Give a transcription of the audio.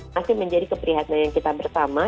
masih menjadi keprihatinan kita bersama